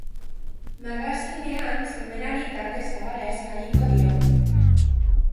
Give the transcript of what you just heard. Magazinean, sormenari tarte zabala eskainiko diogu.